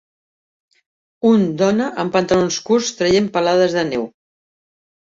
Un dona amb pantalons curts traient palades de neu.